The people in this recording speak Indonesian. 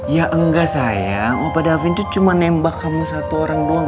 ya enggak sayang bapak davin tuh cuma nembak kamu satu orang doang